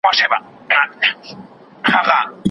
څېړونکی د سرچینو پرتله کوي.